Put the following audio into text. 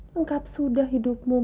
lengkap sudah hidupmu